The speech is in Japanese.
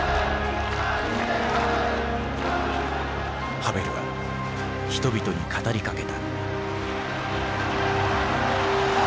ハヴェルは人々に語りかけた。